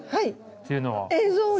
っていうのは？